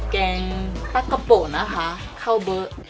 แกงฟักกะโปะนะคะข้าวเบอร์